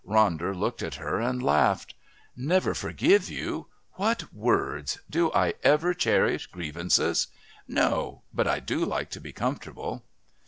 Ronder looked at her and laughed. "Never forgive you! What words! Do I ever cherish grievances? Never... but I do like to be comfortable."